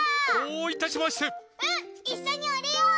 いっしょにおりよう！